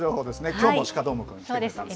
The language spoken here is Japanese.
きょうも鹿どーもくん来てくれたんですね。